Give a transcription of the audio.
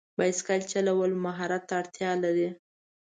بایسکل چلول مهارت ته اړتیا لري.